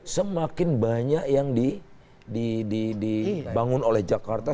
semakin banyak yang dibangun oleh jakarta